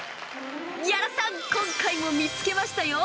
屋良さん、今回も見つけましたよ。